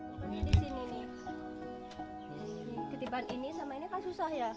ketipan ini sama ini kan susah ya